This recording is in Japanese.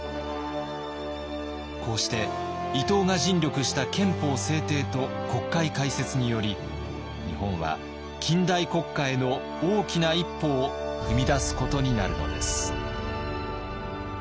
こうして伊藤が尽力した憲法制定と国会開設により日本は近代国家への大きな一歩を踏み出すことになるのです。